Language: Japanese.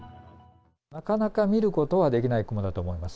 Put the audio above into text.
なかなか見ることはできない雲だと思います。